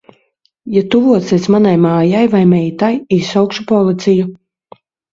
Ja tuvosies manai mājai vai meitai, izsaukšu policiju.